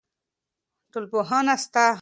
ټولنپوهنه سته.